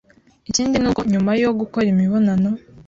Ikindi ni uko nyuma yo gukora imibonano,